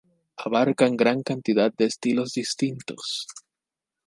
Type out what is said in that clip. Abarcan gran cantidad de estilos distintos.